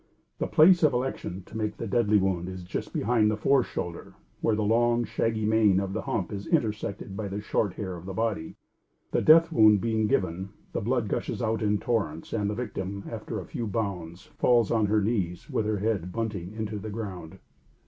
The place of election to make the deadly wound is just behind the fore shoulder where the long, shaggy mane of the hump is intersected by the short hair of the body. The death wound being given, the blood gushes out in torrents and the victim, after a few bounds, falls on her knees with her head bunting into the ground.